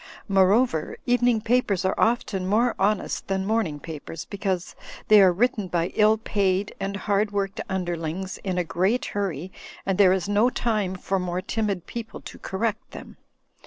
Moreover, evening papers are often more honest than morning papers, because they are written by ill paid and hardworked imderlings in a great hurry, and there is no time for more timid people to correct them.